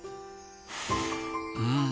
うん。